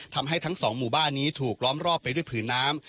ทำให้ทั้งสองหมู่บ้านนี้ถูกล้อมรอบไปด้วยผืนน้ำ